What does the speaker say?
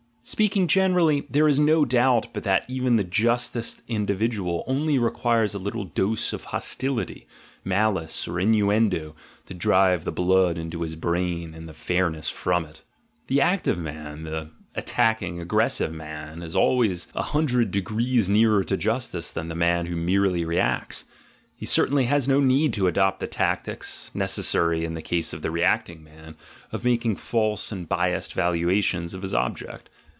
Speaking generally, there is no doubt but that even the justest in dividual only requires a little dose of hostility, malice, or innuendo to drive the blood into his brain and the fairness from it. The active man, the attacking, aggressive man is always a hundred degrees nearer to justice than the man who merely reacts; he certainly has no need to adopt the tactics, necessary in the case of the reacting man, of mak ing false and biassed valuations of his object.